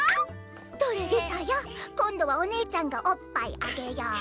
どれリサやこんどはおねーちゃんがおっぱいあげよう。